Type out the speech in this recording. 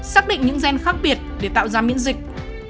xác định những gen khác biệt để tạo ra miễn dịch